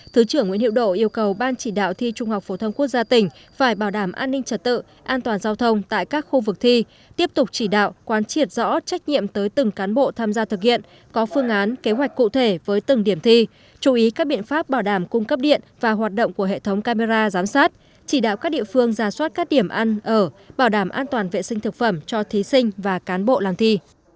thứ trưởng nguyễn hiệu độ yêu cầu ban chỉ đạo thi trung học phổ thông quốc gia tỉnh phải bảo đảm an ninh trật tự an toàn giao thông tại các khu vực thi tiếp tục chỉ đạo quan triệt rõ trách nhiệm tới từng cán bộ tham gia thực hiện có phương án kế hoạch cụ thể với từng điểm thi chú ý các biện pháp bảo đảm cung cấp điện và hoạt động của hệ thống camera giám sát chỉ đạo các địa phương ra soát các điểm ăn ở bảo đảm an toàn vệ sinh thực phẩm cho thí sinh và cán bộ làm thi